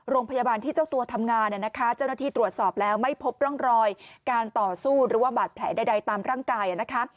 โรงพยาบาลที่เจ้าตัวทำงานนะคะเจ้าหน้าที่ตรวจสอบแล้วไม่พบร่องรอยการต่อสู้หรือว่าบาดแผลใดตามร่างกายนะคะ